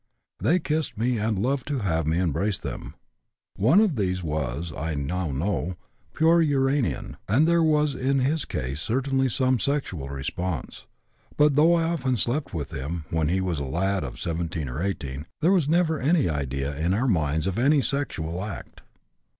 They kissed me and loved to have me embrace them. One of these was, I now know, pure uranian, and there was in his case certainly some sexual response, but though I often slept with him, when he was a lad of 17 and 18, there was never any idea in our minds of any sexual act.